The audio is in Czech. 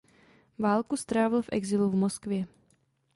Válku strávil v exilu v Moskvě.